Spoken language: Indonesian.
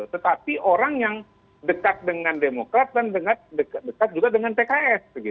tetapi orang yang dekat dengan demokrat dan dekat juga dengan pks